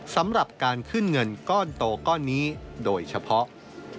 สำหรับการขึ้นเงินก้อนโตก้อนนี้โดยเฉพาะ